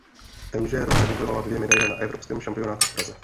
V témže roce vybojovala dvě medaile na evropském šampionátu v Praze.